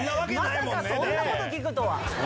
まさかそんなこと聞くとは！